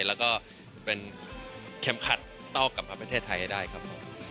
แล้วก็เป็นเข็มขัดเต้ากลับมาประเทศไทยให้ได้ครับผม